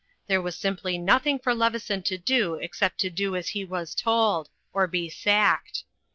There was simply nothing for Leveson to do except to do as he was told, or be sacked.